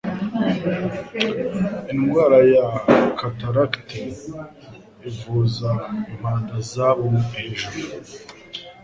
Indwara ya cataracte ivuza impanda zabo hejuru;